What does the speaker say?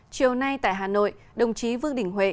chiều nay tại hà nội đồng chí vương đình huệ